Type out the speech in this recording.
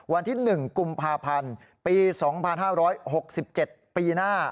วันที่๑กุมภาพันธ์ปี๒๕๖๗ปีหน้า